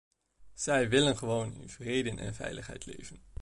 Zij willen gewoon in vrede en veiligheid leven.